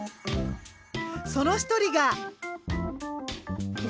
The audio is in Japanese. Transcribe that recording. その一人が。